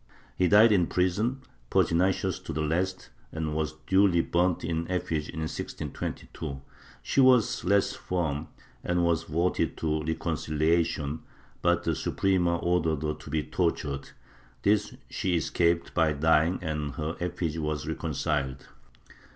He died in prison, pertinacious to the last and was duly burnt in effigy, in 1622. She was less firm and was voted to reconciha tion, but the Suprema ordered her to be tortured; this she escaped by dying, and her effigy was reconciled.